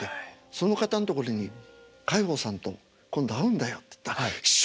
その方のところに「海宝さんと今度会うんだよ」って言ったら「師匠！